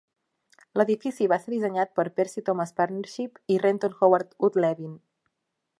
L'edifici va ser dissenyat per Percy Thomas Partnership i Renton Howard Wood Levin.